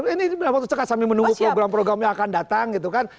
ini dalam waktu dekat sambil menunggu program program yang akan datang gitu kan